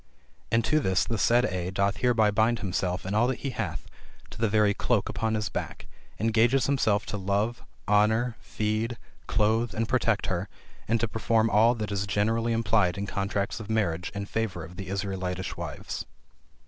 And to this the said A doth hereby bind himself and all that he hath, to the very cloak upon his back; engages himself to love, honor, feed, clothe, and protect her, and to perform all that is generally implied in contracts of marriage in favor of the Israelitish wives."